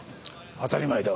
当たり前だ。